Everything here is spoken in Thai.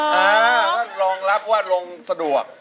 เรองรับว่าโรงสะดวก